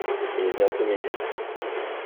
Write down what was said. Il est bientôt midi…